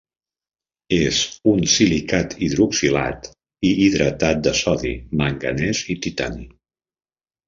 És un silicat hidroxilat i hidratat de sodi, manganès i titani.